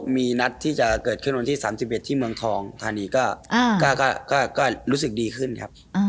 มีนัดที่จะเกิดขึ้นวันที่๓๑ที่เมืองทองธานีก็รู้สึกดีขึ้นครับ